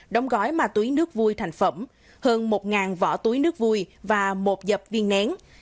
đóng gói ma túy nước vui thành phẩm hơn một vỏ túy nước vui và một dập viên nén